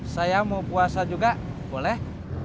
saya mau puasa juga boleh